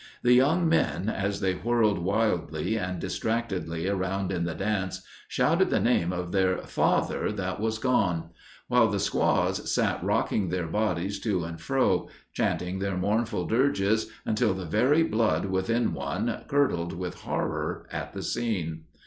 The young men, as they whirled wildly and distractedly around in the dance, shouted the name of their 'father' that was gone; while the squaws sat rocking their bodies to and fro, chaunting their mournful dirges, until the very blood within one curdled with horror at the scene.